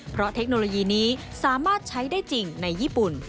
เพราะเทคโนโลยีนี้สามารถใช้ได้จริงในญี่ปุ่น